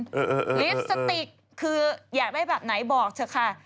ลิปสติกคืออยากได้แบบไหนบอกเถอะค่ะ